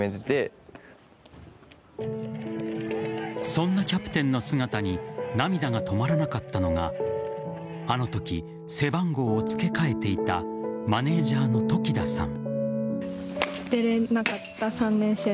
そんなキャプテンの姿に涙が止まらなかったのがあのとき、背番号を付け替えていたマネージャーの時田さん。